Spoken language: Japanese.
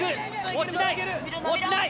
落ちない！